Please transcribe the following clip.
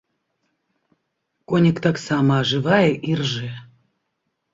Конік таксама ажывае і ржэ.